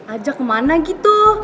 ajak ke mana gitu